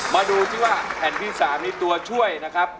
มาดูที่ว่าแผ่นที่๓นี้ตัวช่วยนะครับ